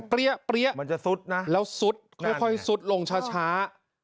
ปรี้ยะปรี้ยะมันจะสุดนะแล้วสุดค่อยสุดลงช้า